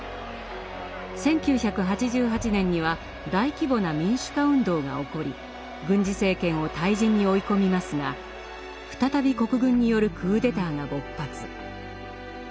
１９８８年には大規模な民主化運動が起こり軍事政権を退陣に追い込みますが再び国軍によるクーデターが勃発。